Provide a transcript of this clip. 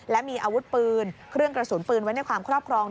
และมีอาวุธปืนเครื่องกระสุนปืนไว้ในความครอบครอง